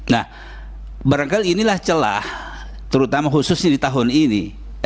nah barangkali inilah celah terutama khususnya di tahun ini